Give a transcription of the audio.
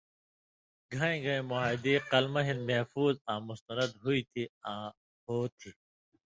گَھیں گَھیں مُعاہدی قلمہ ہِن محفُوظ آں مستند ہُوتھی آں ہو تھی۔